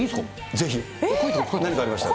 ぜひ。何かありましたら。